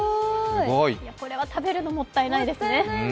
これは食べるの、もったいないですね。